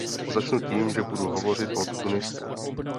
Začnu tím, že budu hovořit o Tunisku.